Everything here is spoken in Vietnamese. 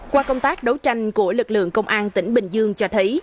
qua công tác đấu tranh của lực lượng công an tỉnh bình dương cho thấy